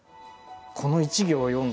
この１行を読んだ瞬間